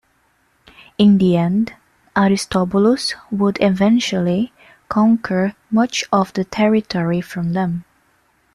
In the end, Aristobulus would eventually conquer much of the territory from them.